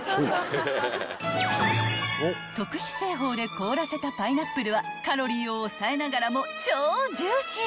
［特殊製法で凍らせたパイナップルはカロリーを抑えながらも超ジューシー］